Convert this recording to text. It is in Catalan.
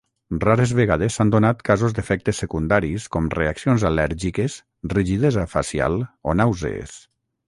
Rares vegades s'han donat casos d'efectes secundaris com reaccions al·lèrgiques, rigidesa facial o nàusees.